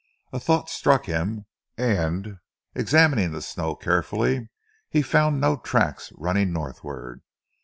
A thought struck him, and examining the snow carefully, he found no tracks running northward.